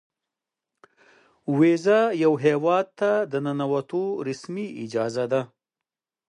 ویزه یو هیواد ته د ننوتو رسمي اجازه ده.